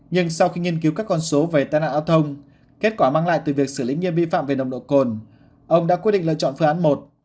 nhưng sau khi nghiên cứu các con số về tai nạn giao thông kết quả mang lại từ việc xử lý nghiêm vi phạm về nồng độ cồn ông đã quyết định lựa chọn phương án một